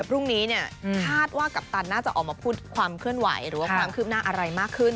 พรุ่งนี้เนี่ยคาดว่ากัปตันน่าจะออกมาพูดความเคลื่อนไหวหรือว่าความคืบหน้าอะไรมากขึ้น